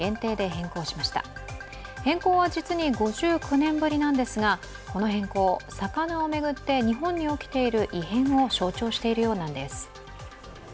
変更は実に５９年ぶりなんですが、この変更、魚を巡って日本に起きている異変を象徴しているようなんです。